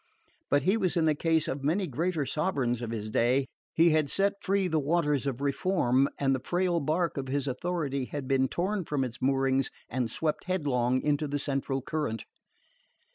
But he was in the case of many greater sovereigns of his day. He had set free the waters of reform, and the frail bark of his authority had been torn from its moorings and swept headlong into the central current.